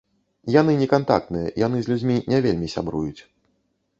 Яны не кантактныя, яны з людзьмі не вельмі сябруюць.